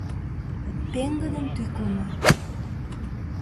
Пеҥгыдын тӱкылымӧ...